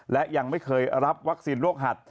และยังไม่เคยรับวัคซีนโรคหัด